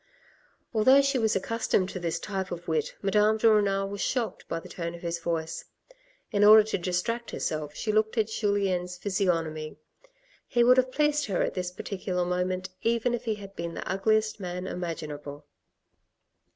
Although she was accustomed to this type of wit, Madame de Renal was shocked by the tone of voice. In order to distract herself, she looked at Julien's physiognomy ; he would have pleased her at this particular moment, even if he had been the ugliest man imaginable.